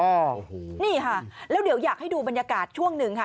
โอ้โหนี่ค่ะแล้วเดี๋ยวอยากให้ดูบรรยากาศช่วงหนึ่งค่ะ